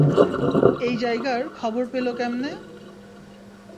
এই জায়গার খবর পেলো কেমনে?